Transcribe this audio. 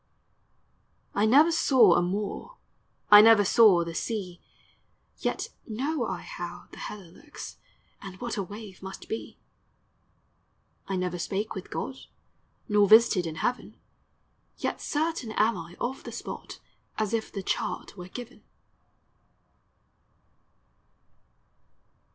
I never saw a moor, I never saw the sea ; Yet know I how the heather looks, And what a wave must be. DEATH: IMMORTALITY: HEAVEN. 391 I never spake with God, Nor visited in heaven; Yet certain am I of the spot As if the chart were given.